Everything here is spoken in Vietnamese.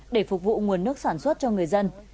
để phục vụ nguồn nước sản xuất cho người dân